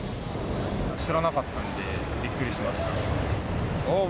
知らなかったんで、びっくりしました。